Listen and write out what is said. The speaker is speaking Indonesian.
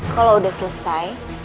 kalo udah selesai